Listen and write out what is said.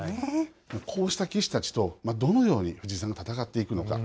こうした棋士たちとどのように藤井さんが戦っていくのか。